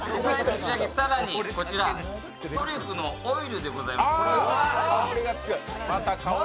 更にこちらトリュフのオイルでございます。